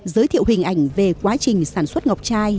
giới thiệu hình ảnh về quán hàng